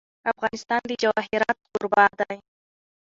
افغانستان د جواهرات کوربه دی.